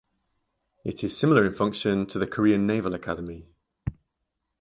It is similar in function to the Korean Naval Academy.